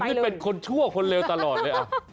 นี่เป็นคนชั่วคนเลวตลอดเลย